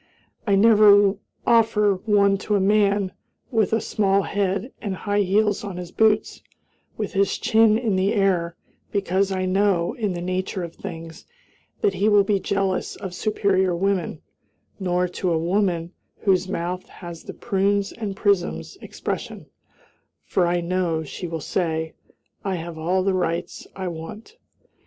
I never offer one to a man with a small head and high heels on his boots, with his chin in the air, because I know, in the nature of things, that he will be jealous of superior women; nor to a woman whose mouth has the "prunes and prisms" expression, for I know she will say, "I have all the rights I want."